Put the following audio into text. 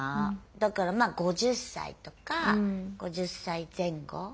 だからまあ５０歳とか５０歳前後。